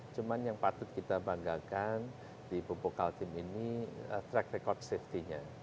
cuma yang patut kita banggakan di pupuk kaltim ini track record safety nya